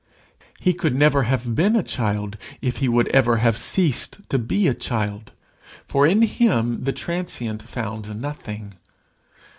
He could never have been a child if he would ever have ceased to be a child, for in him the transient found nothing.